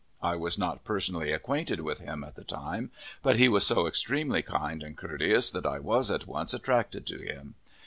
I was not personally acquainted with him at the time, but he was so extremely kind and courteous that I was at once attracted to him.